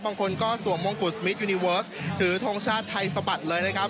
บางคนก็สวมมงกุฎมิกยูนิเวิร์สถือทงชาติไทยสะบัดเลยนะครับ